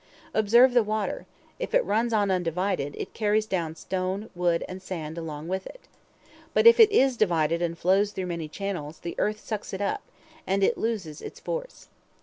Observe the water! If it runs on undivided, it carries down stone, wood, and sand along with it. But if it is divided and flows through many channels, the earth sucks it up, and it loses its force.